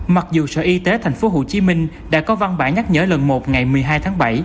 mặc dù sở y tế tp hcm đã có văn bản nhắc nhở lần một ngày một mươi hai tháng bảy